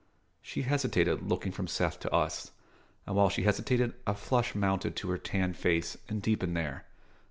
She hesitated, looking from Seth to us; and while she hesitated a flush mounted to her tanned face and deepened there.